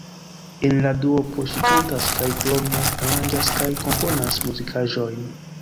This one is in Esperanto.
En la duopo ŝi kantas, kaj krome aranĝas kaj komponas muzikaĵojn.